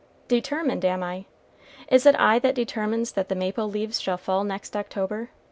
"Determined, am I? Is it I that determines that the maple leaves shall fall next October?